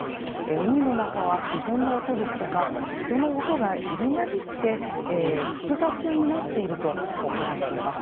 海の中は自然の音ですとか人の音が入り混じって複雑になっていると話しています。